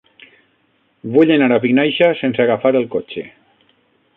Vull anar a Vinaixa sense agafar el cotxe.